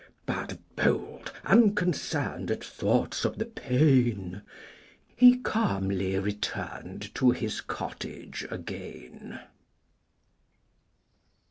But bold, unconcern'd At thoughts of the pain, He calmly return'd To his cottage again.